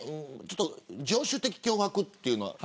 常習的脅迫というのは。